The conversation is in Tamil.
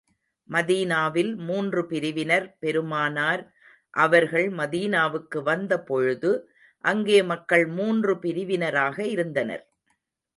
மதீனாவில் மூன்று பிரிவினர் பெருமானார் அவர்கள் மதீனாவுக்கு வந்த பொழுது, அங்கே மக்கள் மூன்று பிரிவினராக இருந்தனர்.